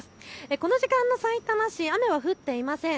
この時間のさいたま市、雨は降っていません。